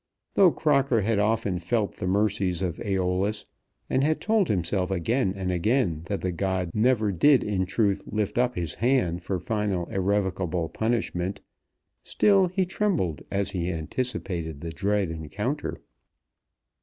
Though Crocker had often felt the mercies of Æolus, and had told himself again and again that the god never did in truth lift up his hand for final irrevocable punishment, still he trembled as he anticipated the dread encounter.